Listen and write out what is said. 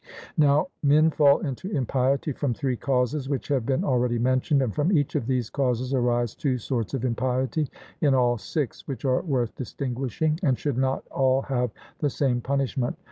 Now, men fall into impiety from three causes, which have been already mentioned, and from each of these causes arise two sorts of impiety, in all six, which are worth distinguishing, and should not all have the same punishment.